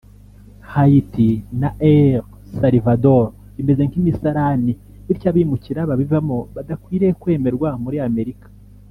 Haiti na El Salvador bimeze nk’imisarani bityo abimukira babivamo badakwiriye kwemerwa muri Amerika